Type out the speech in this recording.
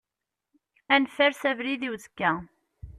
Ad nfers abrid i uzekka.